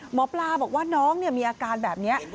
หมอปลาบอกว่าน้องมีอาการแบบนี้